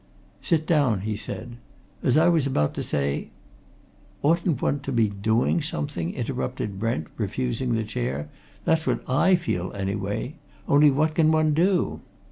"Sit down," he said. "As I was about to say " "Oughtn't one to be doing something?" interrupted Brent, refusing the chair. "That's what I feel anyway. Only what can one do?"